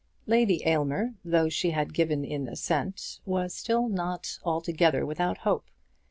Lady Aylmer, though she had given in her assent, was still not altogether without hope.